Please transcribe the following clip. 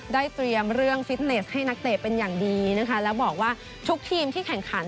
เตรียมเรื่องฟิตเนสให้นักเตะเป็นอย่างดีนะคะแล้วบอกว่าทุกทีมที่แข่งขัน